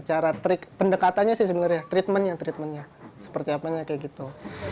cara trik pendekatannya sih sebenarnya treatmentnya treatmentnya seperti apanya kayak gitu